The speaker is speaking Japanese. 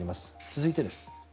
続いてです。